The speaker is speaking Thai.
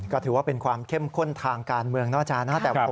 ก็ถือว่าเป็นความเข้มข้นทางการเมืองนะอาจารย์นะครับ